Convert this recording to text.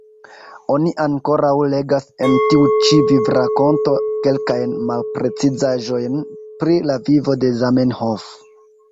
Oni ankoraŭ legas en tiu ĉi vivrakonto kelkajn malprecizaĵojn pri la vivo de Zamenhof.